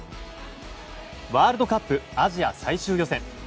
ワールドカップアジア最終予選。